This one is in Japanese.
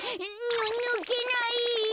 ぬぬけない。